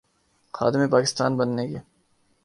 خادم پاکستان بننے کے۔